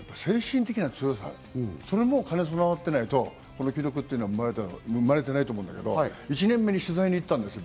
精神的な強さも兼ね備わっていないと、この記録は生まれていないと思うんだけど、１年目に取材に行ったたんですよ。